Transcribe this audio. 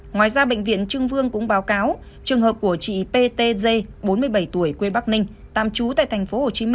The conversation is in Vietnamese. ngoài ra bệnh viện trưng vương cũng báo cáo trường hợp của chị ptj bốn mươi bảy tuổi quê bắc ninh tạm trú tại tp hcm